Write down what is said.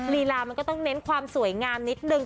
ลีลามันก็ต้องเน้นความสวยงามนิดนึง